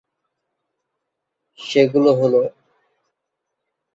সেগুলো হল;